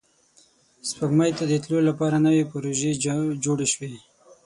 سپوږمۍ ته د تلو لپاره نوې پروژې جوړې شوې